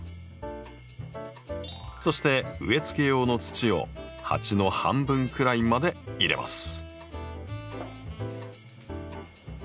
そして植えつけ用の土を鉢の半分くらいまで入れます。